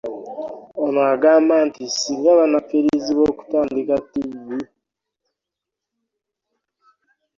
Ono agambye nti singa banakkirizibwa okutandika ttiivi